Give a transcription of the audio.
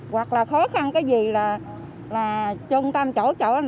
hoặc là khó khăn cái gì là trung tâm chỗ chốt anh thành